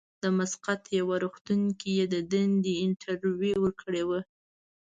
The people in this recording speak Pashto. د مسقط یوه روغتون کې یې د دندې انټرویو ورکړې وه.